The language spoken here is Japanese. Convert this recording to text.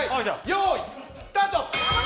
よーい、スタート！